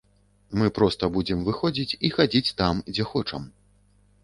Мы проста будзем выходзіць, і хадзіць там, дзе хочам.